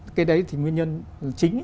cái đấy thì nguyên nhân chính